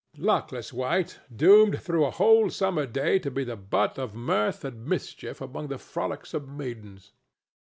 Luckless wight doomed through a whole summer day to be the butt of mirth and mischief among the frolicsome maidens!